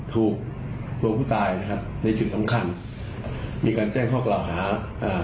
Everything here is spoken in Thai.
ถูกตัวผู้ตายนะครับในจุดสำคัญมีการแจ้งข้อกล่าวหาอ่า